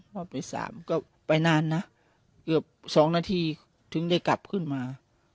พอไปสามก็ไปนานนะเกือบ๒นาทีถึงได้กลับขึ้นมา